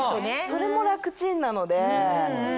それも楽ちんなので。